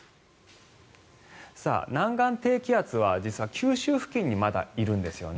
南岸低気圧は実は九州付近にまだいるんですね。